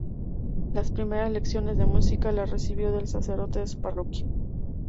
Las primeras lecciones de música las recibió del sacerdote de su parroquia.